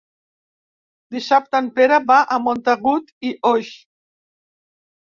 Dissabte en Pere va a Montagut i Oix.